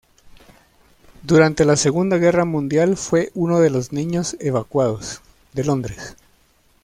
Durante la Segunda Guerra Mundial fue uno de los niños evacuados de Londres.